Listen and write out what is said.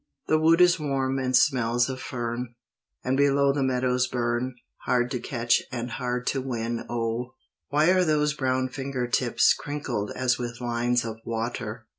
The wood is warm, and smells of fern, And below the meadows burn. Hard to catch and hard to win, oh! Why are those brown finger tips Crinkled as with lines of water?"